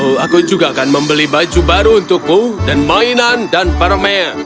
oh aku juga akan membeli sepatu baru untukmu dan permainan dan permen